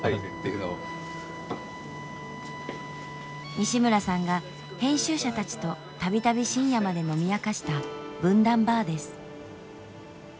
西村さんが編集者たちと度々深夜まで飲み明かした文壇バーです。